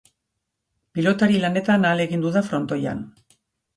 Pilotari lanetan ahalegindu da frontoian.